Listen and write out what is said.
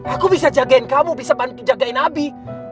aku bisa jagain kamu bisa jagain abi